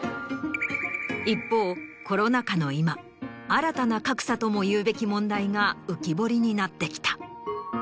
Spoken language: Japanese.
一方コロナ禍の今新たな格差ともいうべき問題が浮き彫りになってきた。